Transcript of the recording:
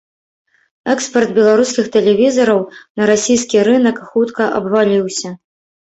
Экспарт беларускіх тэлевізараў на расійскі рынак хутка абваліўся.